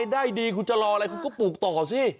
ได้ดีคุณจะรออะไรคุณก็ปลูกต่อสิ